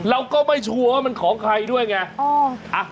เราก็ไม่ชัวร์ว่ามันของใครด้วยไง